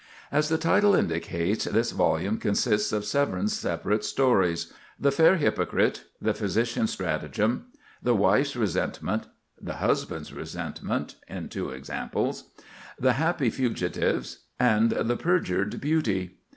As the title indicates, this volume consists of seven separate stories—"The Fair Hypocrite," "The Physician's Stratagem," "The Wife's Resentment," "The Husband's Resentment" (in two examples), "The Happy Fugitives," and "The Perjured Beauty."